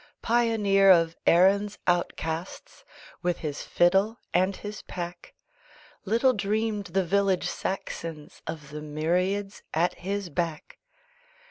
Pioneer of Erin's outcasts With his fiddle and his pack Little dreamed the village Saxons Of the myriads at his back.